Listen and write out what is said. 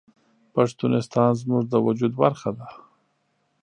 پښتونستان زموږ د وجود برخه ده